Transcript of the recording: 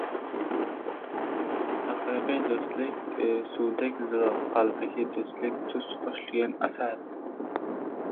• Haqiqiy do‘stlik — suvdek zilol, qalbaki do‘stlik — tuz qo‘shilgan asal.